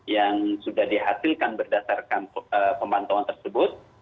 yang sudah dihasilkan berdasarkan pemantauan tersebut